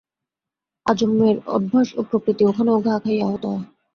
আজন্মের অভ্যাস ও প্রকৃতি ওখানেও ঘা খাইয়া আহত হয়।